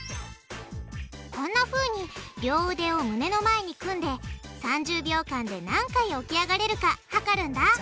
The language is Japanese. こんなふうに両うでを胸の前に組んで３０秒間で何回起き上がれるか測るんだ